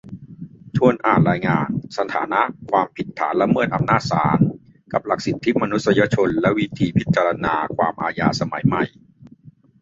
ชวนอ่านรายงาน "สถานะ 'ความผิดฐานละเมิดอำนาจศาล' กับหลักสิทธิมนุษยชนและวิธีพิจารณาความอาญาสมัยใหม่"